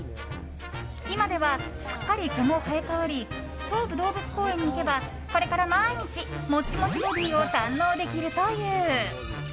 今では、すっかり毛も生え変わり東武動物公園に行けばこれから毎日もちもちボディーを堪能できるという。